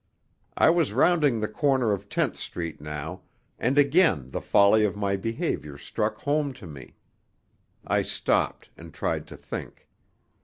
I was rounding the corner of Tenth Street now, and again the folly of my behaviour struck home to me. I stopped and tried to think.